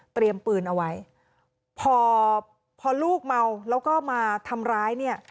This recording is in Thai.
ปืนเอาไว้พอพอลูกเมาแล้วก็มาทำร้ายเนี่ย